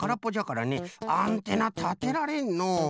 アンテナたてられんのう。